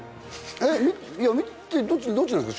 えっどっちなんですか？